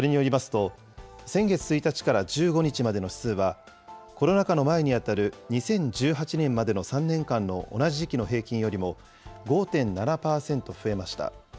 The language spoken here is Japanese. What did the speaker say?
それによりますと、先月１日から１５日までの指数は、コロナ禍の前に当たる２０１８年までの３年間の同じ時期の平均よりも５．７％増えました。